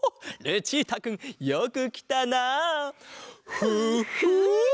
ルチータくんよくきたな。フッフ！